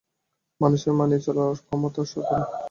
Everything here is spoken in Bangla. মানুষের মানিয়ে চলার ক্ষমতা অসাধারণ।